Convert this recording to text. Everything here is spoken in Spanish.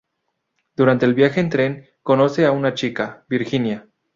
Durante el viaje en tren, conoce a una chica, Virginia.